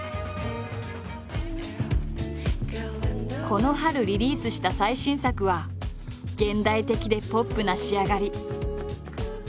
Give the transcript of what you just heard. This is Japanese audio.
この春リリースした最新作は現代的でポップな仕上がり。